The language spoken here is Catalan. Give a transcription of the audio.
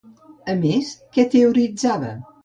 A més, què teoritzava?